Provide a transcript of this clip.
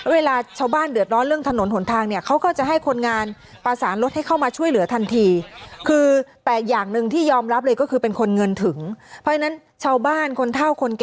เวลาชาวบ้านเดือดร้อนเรื่องถนนหนทางเขาก็จะให้คนงานประสานรถ